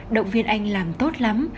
động viên anh làm tốt lắm